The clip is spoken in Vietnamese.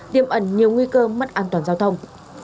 tiêm ẩn nhiều nguy cơ mất an toàn giao thông